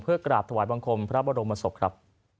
กราบถวายบังคมพระบรมศพครับ